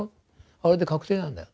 あれで確定なんだよ。